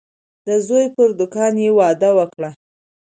د زوی پر دوکان یې وعده وکړه.